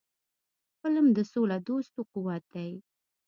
قلم د سولهدوستو قوت دی